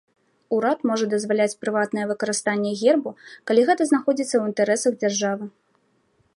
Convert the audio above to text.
Урад можа дазваляць прыватнае выкарыстанне гербу, калі гэта знаходзіцца ў інтарэсах дзяржавы.